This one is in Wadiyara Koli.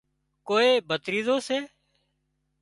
ڪوئي ڀتريزيون سي